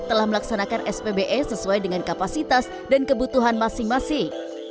telah melaksanakan spbe sesuai dengan kapasitas dan kebutuhan masing masing